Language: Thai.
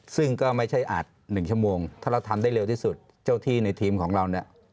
ซึ่งก็ไม่ใช่อาจ๑ชั่วโมงถ้าเราทำได้เร็วที่สุดเจ้าที่ในทีมของเราเนี่ย